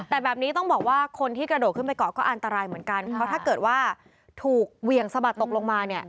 แต่แบบนี้ต้องบอกว่าคนที่กระโดดขึ้นไปเกาะก็อันตรายเหมือนกันเพราะถ้าเกิดว่าถูกเหวี่ยงสะบัดตกลงมาเนี่ย